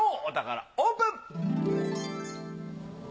お宝オープン！